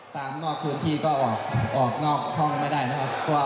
นอกพื้นที่ก็ออกนอกห้องไม่ได้นะครับ